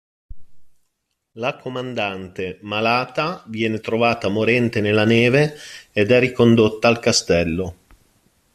La Comandante, malata, viene trovata morente nella neve ed è ricondotta al castello.